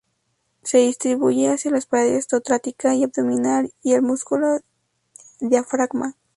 Se distribuye hacia las paredes torácica y abdominal y el músculo diafragma.